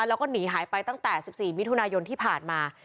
แล้วก็หนีหายไปตั้งแต่๑๔มิถุนายนที่ผ่านมา